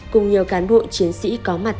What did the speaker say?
cùng nhiều cán bộ chiến sĩ có mặt